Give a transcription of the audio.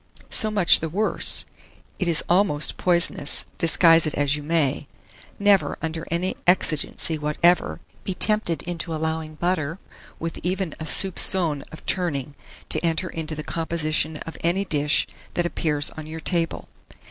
So much the worse; it is almost poisonous, disguise it as you may. Never, under any exigency whatever, be tempted into allowing butter with even a soupçon of "turning" to enter into the composition of any dish that appears on your table.